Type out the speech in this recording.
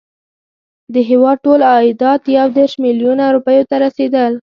د هیواد ټول عایدات یو دېرش میلیونه روپیو ته رسېدل.